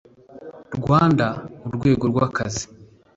rwanda mu rwego rw akazi